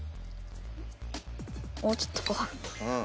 もうちょっとごはん。